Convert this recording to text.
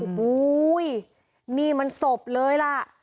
โอ้โหนี่มันศพเลยล่ะ